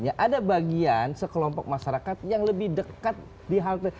ya ada bagian sekelompok masyarakat yang lebih dekat di halte